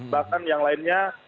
bahkan yang lainnya